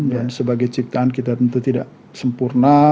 dan sebagai ciptaan kita tentu tidak sempurna